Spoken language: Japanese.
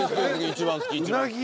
一番好き一番好き。